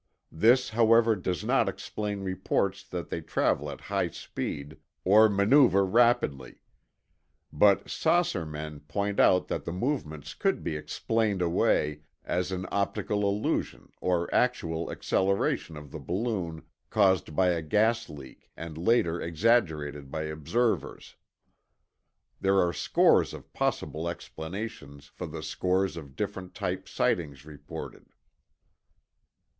This, however, does not explain reports that they travel at high speed or maneuver rapidly. But 'Saucer' men point out that the movement could be explained away as an optical illusion or actual acceleration of the balloon caused by a gas leak and later exaggerated by observers. ... There are scores of possible explanations for the scores of different type sightings reported."